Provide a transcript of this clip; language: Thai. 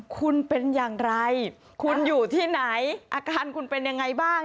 คุณเป็นอย่างไรคุณอยู่ที่ไหนอาการคุณเป็นยังไงบ้าง